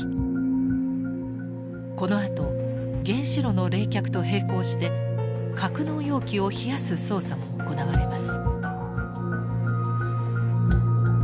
このあと原子炉の冷却と並行して格納容器を冷やす操作も行われます。